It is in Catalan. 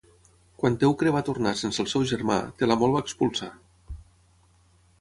Quan Teucre va tornar sense el seu germà, Telamó el va expulsar.